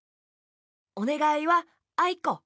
おねがいは「あいこ」。